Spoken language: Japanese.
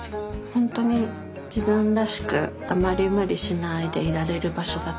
ほんとに自分らしくあまり無理しないでいられる場所だと思います。